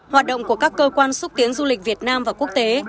hoạt động của các cơ quan xúc tiến du lịch việt nam và quốc tế